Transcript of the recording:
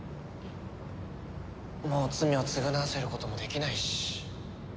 もう罪を償わせることもできないし。